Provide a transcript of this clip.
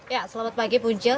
ya selamat pagi puncil